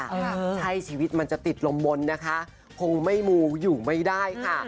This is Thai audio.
ใช่ชีวิตมันจะติดลมบนนะคะคงไม่มูอยู่ไม่ได้ค่ะ